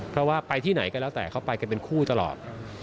เพราะว่าไปที่ไหนก็แล้วแต่เขาไปกันเป็นคู่ตลอด